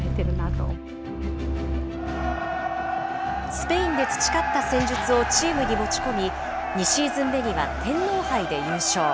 スペインで培った戦術をチームに持ち込み、２シーズン目には天皇杯で優勝。